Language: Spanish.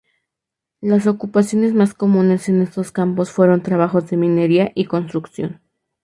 Las ocupaciones más comunes en estos campos fueron trabajos de minería y construcción.